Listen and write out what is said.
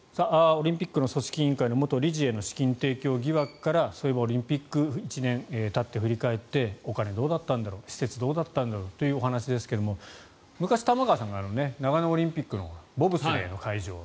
オリンピックの組織委員会の元理事への資金提供疑惑からそういえばオリンピック終わって１年たって、振り返ってお金、どうだったんだろう施設どうだったんだろうというお話ですが昔、玉川さんが長野オリンピックでのボブスレーの会場